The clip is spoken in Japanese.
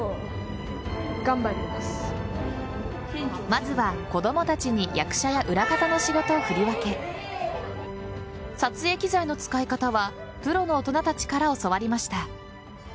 まずは子供たちに役者や裏方の仕事を振り分け撮影機材の使い方はプロの大人たちから教わりました。